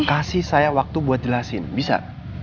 kasih saya waktu buat jelasin bisa